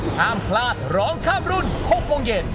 ห้ามพลาดร้องข้ามรุ่น๖โมงเย็น